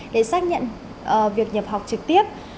để xác nhận việc nhập học trực tiếp